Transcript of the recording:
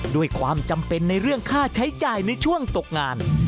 ด้วยความจำเป็นในเรื่องค่าใช้จ่ายในช่วงตกงาน